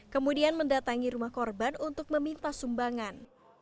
kemudian mendatangi rumah korban untuk meminta sumbangan